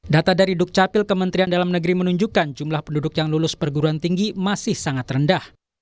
data dari dukcapil kementerian dalam negeri menunjukkan jumlah penduduk yang lulus perguruan tinggi masih sangat rendah